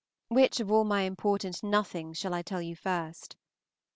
Which of all my important nothings shall I tell you first?